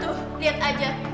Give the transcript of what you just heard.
tuh liat aja